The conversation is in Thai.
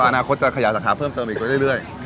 อาณาคตจะขยาสักข้าวเพิ่มเติมไปเรื่อย